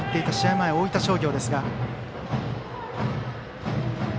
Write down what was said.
前、大分商業ですが。